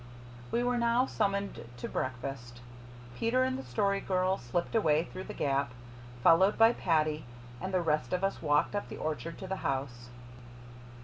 We were now summoned to breakfast. Peter and the Story Girl slipped away through the gap, followed by Paddy, and the rest of us walked up the orchard to the house.